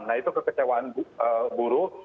nah itu kekecewaan buruk